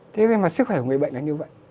thế nhưng mà sức khỏe của người bệnh là như vậy